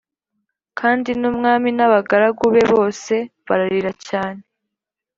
kandi n’umwami n’abagaragu be bose bararira cyane.